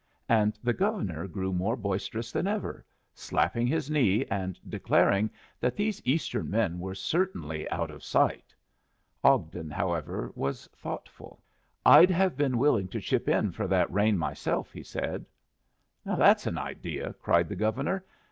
And the Governor grew more boisterous than ever, slapping his knee and declaring that these Eastern men were certainly "out of sight". Ogden, however, was thoughtful. "I'd have been willing to chip in for that rain myself," he said. "That's an idea!" cried the Governor.